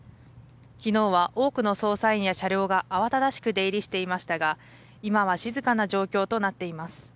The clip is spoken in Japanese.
きのうは多くの捜査員や車両が慌ただしく出入りしていましたが、今は静かな状況となっています。